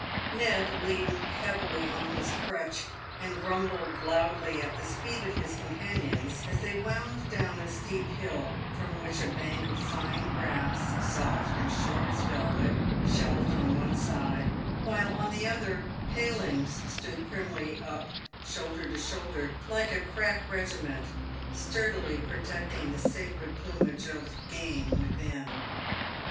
Ned leaned heavily on his crutch, and grumbled loudly at the speed of his companions, as they wound down a steep hill, from which a bank of fine grass, soft and short as velvet, shelved on one side ; while on the other hand palings stood primly up shoulder to shoulder PAVED WITH GOLD. 279 — like a crack regiment — sturdily protecting the sacred ^ plumage of game within.